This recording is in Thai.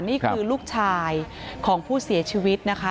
นี่คือลูกชายของผู้เสียชีวิตนะคะ